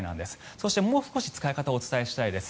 そして、もう少し使い方をお伝えしたいです。